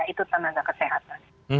yaitu tenaga kesehatan